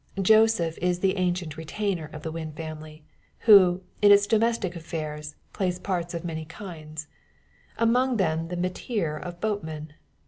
Joseph is an ancient retainer of the Wynn family, who, in its domestic affairs, plays parts of many kinds among them the metier of boatman.